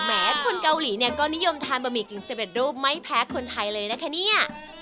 แม้คนเกาหลีก็นิยมทานบะหมี่กิ่งเซเบดโด้ไม่แพ้คนไทยเลยนะคะเนี่ย